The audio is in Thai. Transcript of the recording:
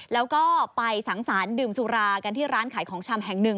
แล้วก็ไปสังสรรค์ดื่มสุรากันที่ร้านขายของชำแห่งหนึ่ง